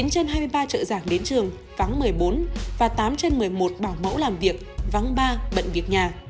một mươi trên hai mươi ba trợ giảng đến trường vắng một mươi bốn và tám trên một mươi một bảo mẫu làm việc vắng ba bận việc nhà